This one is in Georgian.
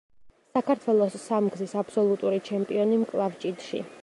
საქართველოს სამგზის აბსოლუტური ჩემპიონი მკლავჭიდში.